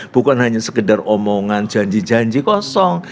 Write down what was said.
bukan hanya sekedar omongan janji janji kosong